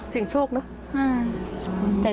สิ่งโชคเนอะ